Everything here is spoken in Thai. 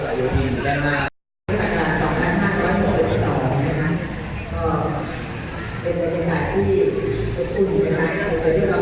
จะมีแผ่นหน้าโขศีหะแสนวัตรรับ